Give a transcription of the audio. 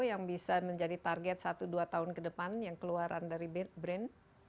yang bisa menjadi target satu dua tahun ke depan yang keluaran dari brin